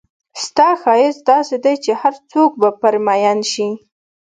ستا ښایست داسې دی چې هرڅوک به پر مئین شي.